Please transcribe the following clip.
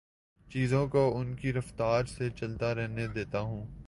چیزوں کو ان کی رفتار سے چلتا رہنے دیتا ہوں